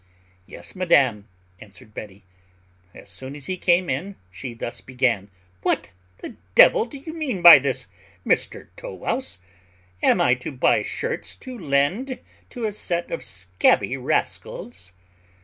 "Yes, madam," answered Betty. As soon as he came in, she thus began: "What the devil do you mean by this, Mr Tow wouse? Am I to buy shirts to lend to a set of scabby rascals?"